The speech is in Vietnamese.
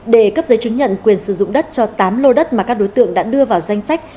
để cấp giấy chứng nhận quyền sử dụng đất cho tám lô đất mà các đối tượng đã đưa vào danh sách